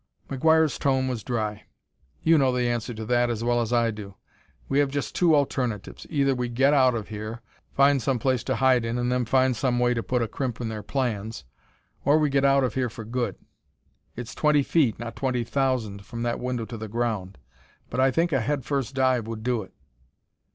McGuire's tone was dry. "You know the answer to that as well as I do. We have just two alternatives; either we get out of here find some place to hide in, then find some way to put a crimp in their plans; or we get out of here for good. It's twenty feet, not twenty thousand, from that window to the ground, but I think a head first dive would do it."